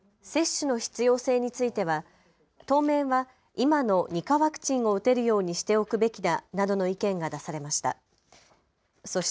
接種の必要性については当面は今の２価ワクチンを打てるようにしておくべきだなどの意見が出されました。